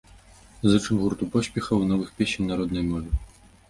Зычым гурту поспехаў і новых песень на роднай мове!